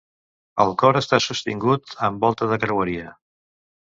El cor està sostingut amb volta de creueria.